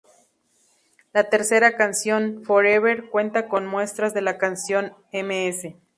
La tercera canción, "Forever", cuenta con muestras de la canción "Ms.